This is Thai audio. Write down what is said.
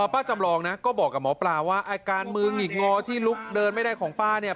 ป้าจำลองนะก็บอกกับหมอปลาว่าอาการมือหงิกงอที่ลุกเดินไม่ได้ของป้าเนี่ย